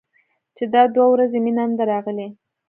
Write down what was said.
چې دا دوه ورځې مينه نه ده راغلې.